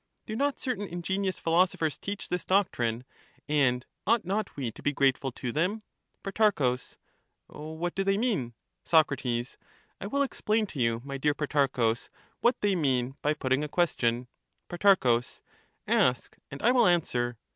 Do not certain ingenious philosophers teach this doctrine, and ought not we to be grateful to them ? Pro, What do they mean ? Soc, I will explain to you, my dear Protarchus, what they mean, by putting a question. Pro, Ask, and I will answer.